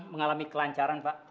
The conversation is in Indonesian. mengalami kelancaran pa